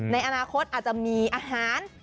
ในอนาคตอาจจะมีอาหาร